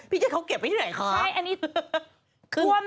พี่เจ๊เขาเก็บไว้ที่ไหนคะ